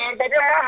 yang tadi mahal